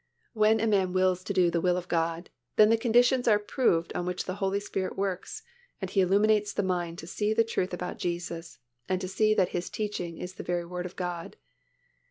When a man wills to do the will of God, then the conditions are provided on which the Holy Spirit works and He illuminates the mind to see the truth about Jesus and to see that His teaching is the very Word of God.